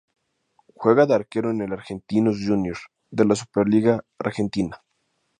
Juega de Arquero en el Argentinos Juniors, de la Superliga Argentina.